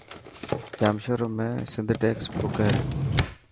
ڄامشوري ۾ سنڌ ٽيڪسٽ بڪ هي.